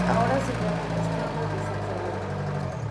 Ahora se llama Castillo de San Fernando.